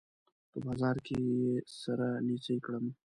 په بازار کې يې سره نيڅۍ کړم